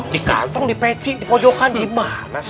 di kantong di peci di pojokan dimana